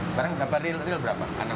sekarang dapat real real berapa